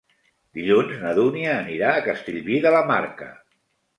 Dilluns na Dúnia anirà a Castellví de la Marca.